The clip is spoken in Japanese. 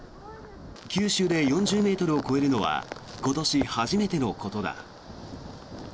九州で４０ｍを超えるのは今年初めてのことだ。